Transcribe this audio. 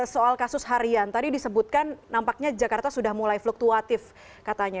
soal kasus harian tadi disebutkan nampaknya jakarta sudah mulai fluktuatif katanya